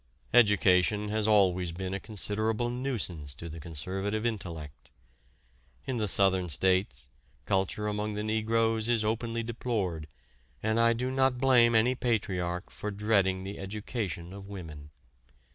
Education has always been a considerable nuisance to the conservative intellect. In the Southern States, culture among the negroes is openly deplored, and I do not blame any patriarch for dreading the education of women.